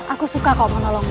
aku suka kau menolongmu